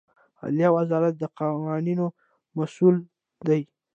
عدلیې وزارت د قوانینو مسوول دی